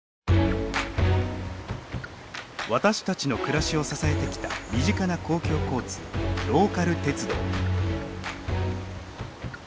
私たちの暮らしを支えてきた身近な公共交通ローカル鉄道。